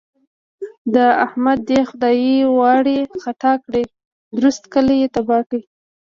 د احمد دې خدای دواړې خطا کړي؛ درست کلی يې تباه کړ.